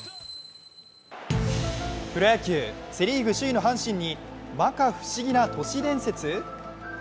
プロ野球、セ・リーグ首位の阪神にまか不思議な都市伝説？